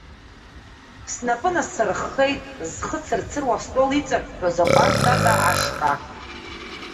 Снапы насырххеит, зхы цырцыруа астол иҵыҳәҳәоз аҟәардә тата ашҟа.